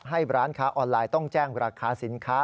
ให้ร้านค้าออนไลน์ต้องแจ้งราคาสินค้า